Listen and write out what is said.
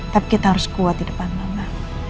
tapi kita harus kuat di depan mana